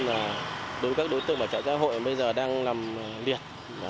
đối với các đối tượng ở trạng xã hội bây giờ đang làm liệt